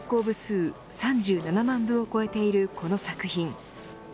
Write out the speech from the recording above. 部数３７万部を超えているこの作品。